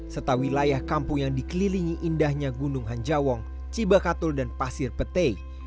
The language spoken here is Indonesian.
serta wilayah kampung yang dikelilingi indahnya gunung hanjawong cibakatul dan pasir petai